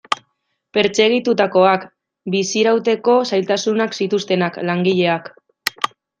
Pertsegitutakoak, bizirauteko zailtasunak zituztenak, langileak...